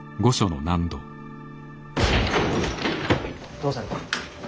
どうされた。